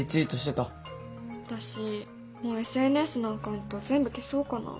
私もうＳＮＳのアカウント全部消そうかな。